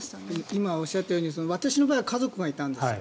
今おっしゃったように私の場合は家族がいたんです。